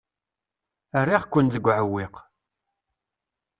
Rriɣ-ken deg uɛewwiq.